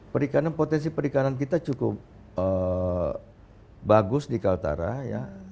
perikanan potensi perikanan kita cukup bagus di kaltara ya